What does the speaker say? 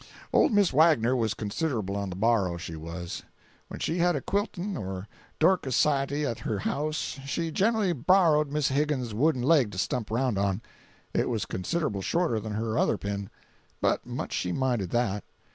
'Old Miss Wagner was considerable on the borrow, she was. When she had a quilting, or Dorcas S'iety at her house she gen'ally borrowed Miss Higgins's wooden leg to stump around on; it was considerable shorter than her other pin, but much she minded that.